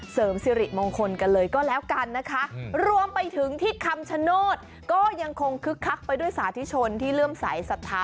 เสริมสิริมงคลกันเลยก็แล้วกันนะคะรวมไปถึงที่คำชโนธก็ยังคงคึกคักไปด้วยสาธุชนที่เริ่มสายศรัทธา